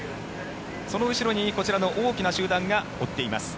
その後ろにこちらの大きな集団が追っています。